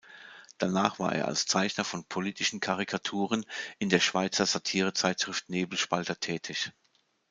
Danach war er als Zeichner von politischen Karikaturen in der Schweizer Satirezeitschrift "Nebelspalter" tätig.